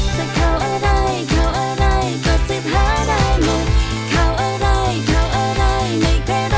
สามารถรับชมได้ทุกวัย